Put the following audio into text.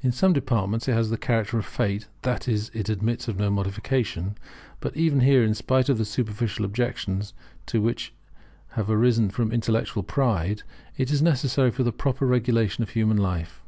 In some departments it has the character of fate; that is, it admits of no modification. But even here, in spite of the superficial objections to it which have arisen from intellectual pride, it is necessary for the proper regulation of human life.